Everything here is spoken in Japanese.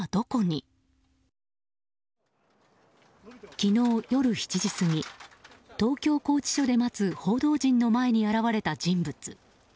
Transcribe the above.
昨日夜７時過ぎ東京拘置所で待つ報道陣の前に現れた人物。